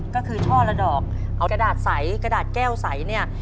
ก็คือช่อละดอกเอากระดาษใสกระดาษแก้วใสเนี่ย